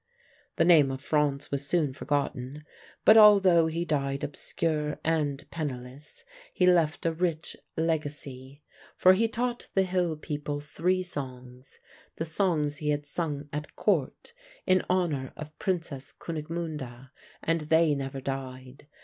"The name of Franz was soon forgotten, but although he died obscure and penniless he left a rich legacy. For he taught the hill people three songs, the songs he had sung at Court in honour of Princess Kunigmunde, and they never died.